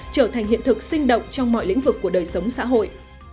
trở thành hiện thực sinh động trong mọi lĩnh vực của đời sống xã hội